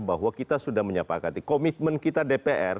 bahwa kita sudah menyepakati komitmen kita dpr